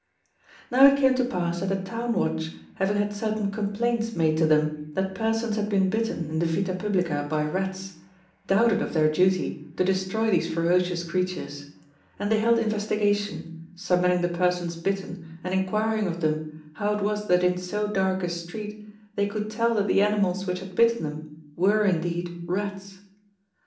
Now it came to pass that the Town Watch having had certain complaints made to them that persons had been bitten in the Vita Publica by rats, doubted of their duty to destroy these ferocious creatures; and they held investigation, summoning the persons bitten and inquiring of them how it was that in so dark a street they could tell that the animals which had bitten them were indeed rats.